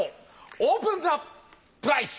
オープンザプライス！